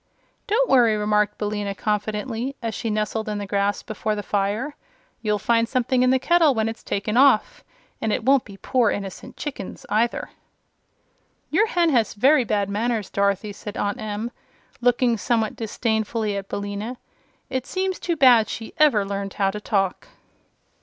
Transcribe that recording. "Don't worry," remarked Billina, confidently, as she nestled in the grass before the fire. "You'll find something in the kettle when it's taken off and it won't be poor, innocent chickens, either." "Your hen has very bad manners, Dorothy," said Aunt Em, looking somewhat disdainfully at Billina. "It seems too bad she ever learned how to talk."